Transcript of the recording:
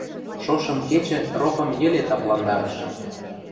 Шошым кечӹ рокым йӹле тапландарыш.